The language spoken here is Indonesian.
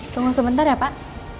tunggu sebentar ya pak